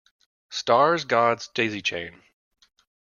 Stars God's daisy chain.